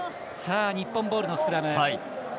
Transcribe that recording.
日本ボールのスクラム。